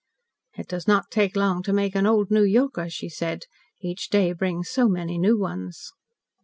"It does not take long to make an 'old New Yorker,'" she said. "Each day brings so many new ones."